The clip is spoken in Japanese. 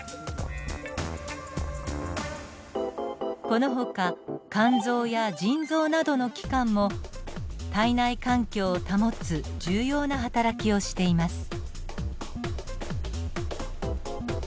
このほか肝臓や腎臓などの器官も体内環境を保つ重要なはたらきをしています。